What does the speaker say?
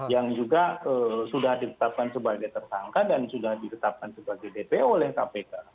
yang juga sudah ditetapkan sebagai tersangka dan sudah ditetapkan sebagai dpo oleh kpk